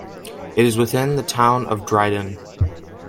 It is within the Town of Dryden.